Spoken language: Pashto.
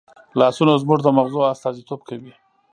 لاسونه زموږ د مغزو استازیتوب کوي